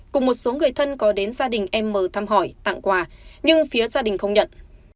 cùng một số người thân có đến gia đình em mở thăm hỏi tặng quà nhưng phía gia đình không nhận